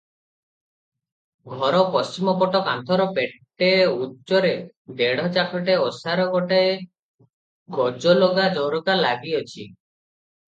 ଘର ପଶ୍ଚିମ ପଟ କାନ୍ଥର ପେଟେ ଉଞ୍ଚରେ ଦେଢ଼ ଚାଖଣ୍ତେ ଓସାର ଗୋଟାଏ ଗଜଲଗା ଝରକା ଲାଗିଅଛି ।